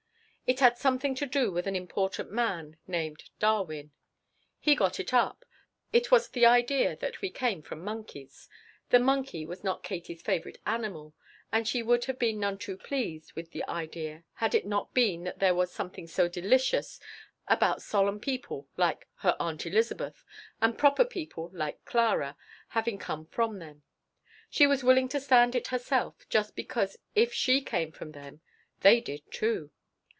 It had something to do with an important man named Darwin. He got it up. It was the idea that we came from monkeys. The monkey was not Katie's favorite animal and she would have been none too pleased with the idea had it not been that there was something so delicious about solemn people like her Aunt Elizabeth and proper people like Clara having come from them. She was willing to stand it herself, just because if she came from them they did, too.